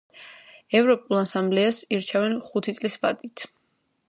ეროვნულ ასამბლეას ირჩევენ ხუთი წლის ვადით.